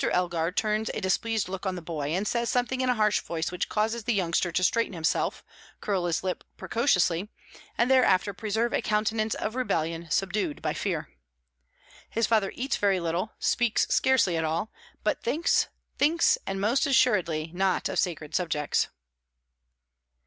Elgar turns a displeased look on the boy, and says something in a harsh voice which causes the youngster to straighten himself, curl his lip precociously, and thereafter preserve a countenance of rebellion subdued by fear. His father eats very little, speaks scarcely at all, but thinks, thinks and most assuredly not of sacred subjects.